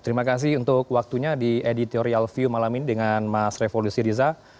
terima kasih untuk waktunya di editorial view malam ini dengan mas revo lusiriza